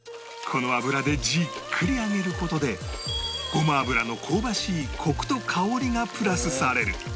この油でじっくり揚げる事でごま油の香ばしいコクと香りがプラスされる